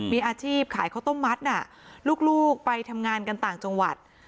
มีอาชีพขายข้าวต้มมัดน่ะลูกไปทำงานกันต่างจังหวัด